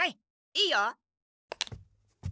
いいよ。